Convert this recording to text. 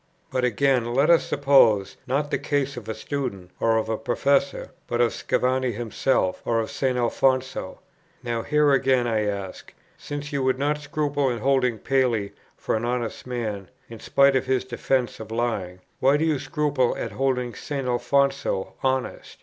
But, again, let us suppose, not the case of a student, or of a professor, but of Scavini himself, or of St. Alfonso; now here again I ask, since you would not scruple in holding Paley for an honest man, in spite of his defence of lying, why do you scruple at holding St. Alfonso honest?